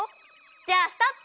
じゃあストップ！